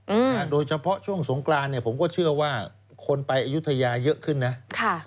โดยเฉพาะช่วงสงกรานเนี่ยผมก็เชื่อว่าคนไปอายุทยาเยอะขึ้นนะค่ะ